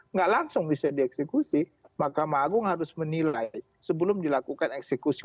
nggak langsung bisa dieksekusi mahkamah agung harus menilai sebelum dilakukan eksekusi